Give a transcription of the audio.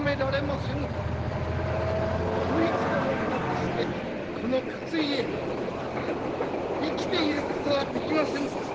お市殿なくしてこの勝家生きていることはできませぬ。